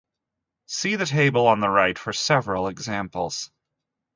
See the table on the right for several examples.